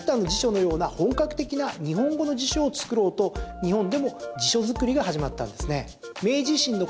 そしてこのウェブスターの辞書のような本格的な日本語の辞書を作ろうと日本でも辞書作りが始まったんですね。